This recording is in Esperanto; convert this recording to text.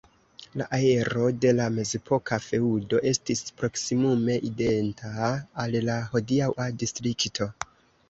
La areo de la mezepoka feŭdo estis proksimume identa al la hodiaŭa distrikto.